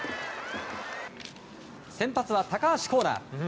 先発は高橋光成。